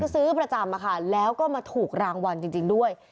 ซื้อประจำแล้วก็มาถูกรางวัลจริงด้วย